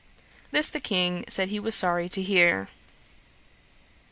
This the King said he was sorry to hear.